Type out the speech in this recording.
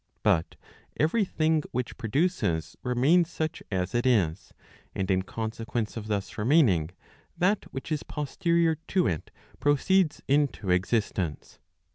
But every thing which produces remains such as it is, and in consequence of thus remaining, that which is posterior to'it* proceeds into existence.